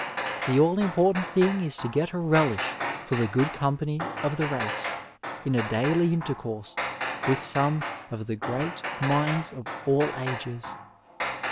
The all important thing is to get a relish for the good company of the race in a daily intercourse with some of the great minds of all ages.